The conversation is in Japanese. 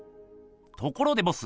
ところでボス